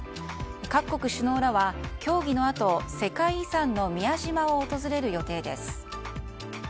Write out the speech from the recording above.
各国首脳らは協議のあと世界遺産の宮島を訪れる予定です。